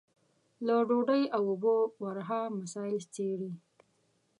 له ډوډۍ او اوبو ورها مسايل څېړي.